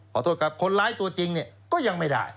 ขอโทษครับคนร้ายตัวจริงเนี่ยก็ยังไม่ได้